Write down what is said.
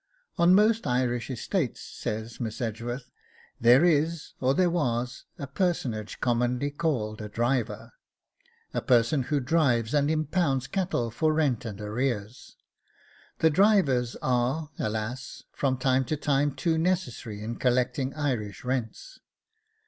'On most Irish estates,' says Miss Edgeworth, 'there is, or there was, a personage commonly called a driver, a person who drives and impounds cattle for rent and arrears.' The drivers are, alas! from time to time too necessary in collecting Irish rents.